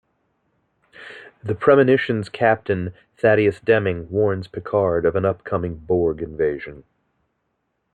The "Premonition"s captain, Thaddeus Demming, warns Picard of an upcoming Borg invasion.